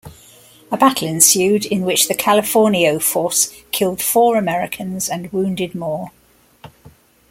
A battle ensued in which the Californio force killed four Americans and wounded more.